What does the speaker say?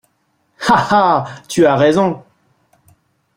Ha ha, tu as raison.